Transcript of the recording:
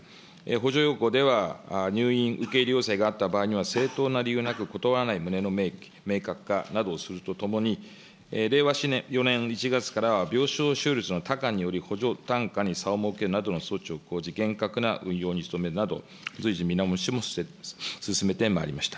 補助要項では入院受け入れ要請があった場合には、正当な理由なく断らない旨の明確化などをするとともに、令和４年１月からは、病床使用率のにより、補助単価に差を設けるなどの措置を講じ、厳格な運用に努めるなど、随時見直しも進めてまいりました。